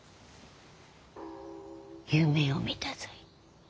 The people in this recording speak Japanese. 夢を見たぞい。